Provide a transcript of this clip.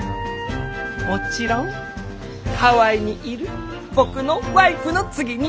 もちろんハワイにいる僕のワイフの次に！